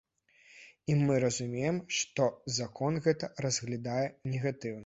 І мы разумеем, што закон гэта разглядае негатыўна.